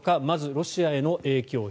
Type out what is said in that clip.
まずロシアへの影響